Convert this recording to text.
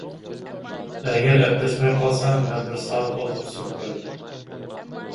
ئەگەر ئەپلەشمەي قالسا، مەن بىر سائەت ئالدىغا سۈرۈپ تۇراي.